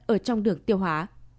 ở trong đường tiêu hóa